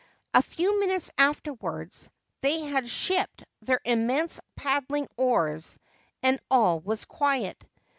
A few minutes afterwards they had shipped their immense paddling oars and all was quiet.